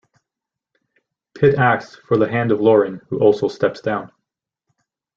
Pitt asks for the hand of Loren who also steps down.